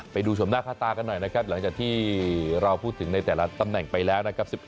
ไปดูชมหน้าค่าตากันหน่อยนะครับหลังจากที่เราพูดถึงในแต่ละตำแหน่งไปแล้วนะครับ